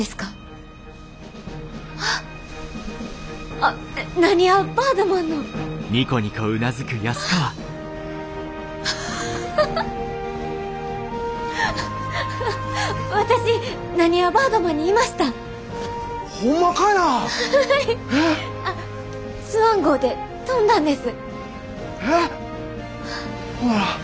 あっスワン号で飛んだんです。